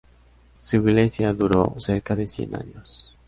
Su iglesia duró cerca de cien años.